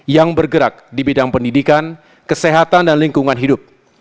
yang bergerak di bidang pendidikan kesehatan dan lingkungan hidup